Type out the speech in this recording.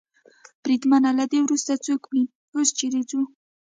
بریدمنه، له ده وروسته څوک مري؟ اوس چېرې ځو؟